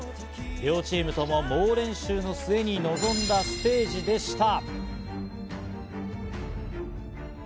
両チームとも猛練習の末に臨んだステージでした。